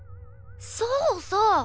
そうそう！